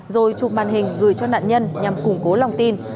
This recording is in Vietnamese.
rồi chụp màn hình gửi cho nạn nhân nhằm củng cố lòng tin